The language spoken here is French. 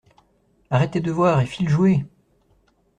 Arrête tes devoirs et file jouer!